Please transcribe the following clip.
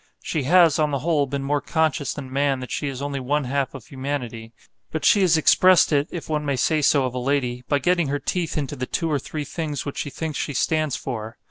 She has, on the whole, been more conscious than man that she is only one half of humanity; but she has expressed it (if one may say so of a lady) by getting her teeth into the two or three things which she thinks she stands for.